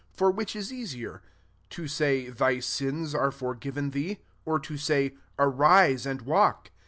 5 For which is easier ? to say, ' Thy sins are forgiven thee ?' or to say, * Arise and walk